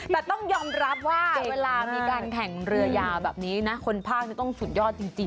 แต่ต้องยอมรับว่าเวลามีการแข่งเรือยาวแบบนี้นะคนภาคนี้ต้องสุดยอดจริง